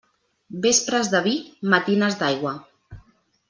Vespres de vi, matines d'aigua.